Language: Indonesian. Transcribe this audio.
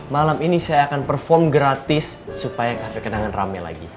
malam ini saya akan perform gratis supaya cafe kenangan rame lagi